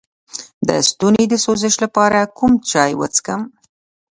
د ستوني د سوزش لپاره کوم چای وڅښم؟